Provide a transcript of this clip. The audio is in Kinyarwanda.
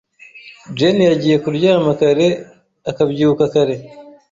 Jane yagiye kuryama kare akabyuka kare.